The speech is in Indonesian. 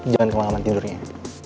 jangan kemalaman tidurnya